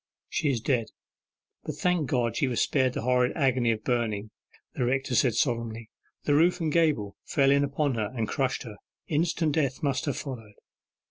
'She is dead: but thank God, she was spared the horrid agony of burning,' the rector said solemnly; 'the roof and gable fell in upon her, and crushed her. Instant death must have followed.